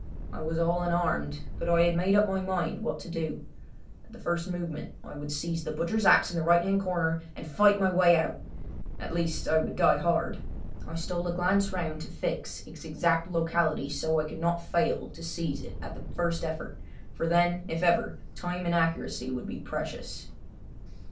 I was all unarmed, but I had made up my mind what to do. At the first movement I would seize the butcher's axe in the right hand corner and fight my way out. At least, I would die hard. I stole a glance round to fix its exact locality so that I could not fail to seize it at the first effort, for then, if ever, time and accuracy would be precious.